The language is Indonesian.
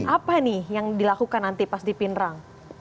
apa nih yang dilakukan nanti pas di pinderang